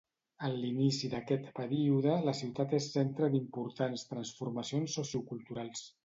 En l'inici d'aquest període la ciutat és centre d'importants transformacions socioculturals.